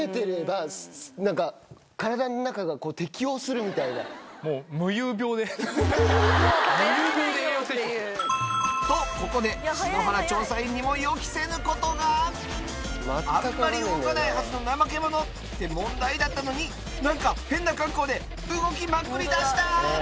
何か体の中が適応するみたいな。とここで篠原調査員にも予期せぬことがあんまり動かないはずのナマケモノって問題だったのに何か変な格好で動きまくりだした！